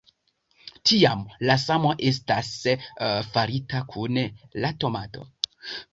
Tiam, la samo estas farita kun la tomato.